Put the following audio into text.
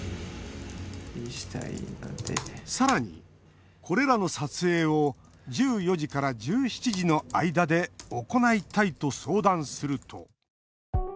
さらに、これらの撮影を１４時から１７時の間で行いたいと相談すると。